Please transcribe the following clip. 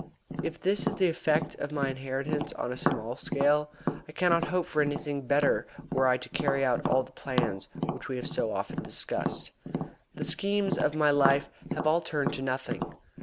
If this is the effect of my interference on a small scale, I cannot hope for anything better were I to carry out the plans which we have so often discussed. The schemes of my life have all turned to nothing.